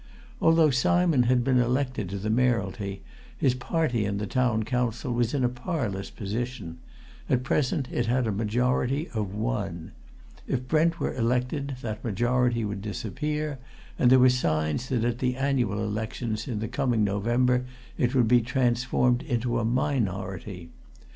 Although Simon had been elected to the Mayoralty, his party in the Town Council was in a parlous position at present it had a majority of one; if Brent were elected, that majority would disappear, and there were signs that at the annual elections in the coming November it would be transformed into a minority.